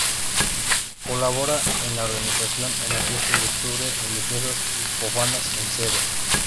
Colaboró en la organización en las Fiestas de octubre religiosas y profanas en Cd.